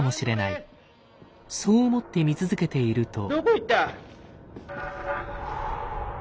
そう思って見続けていると。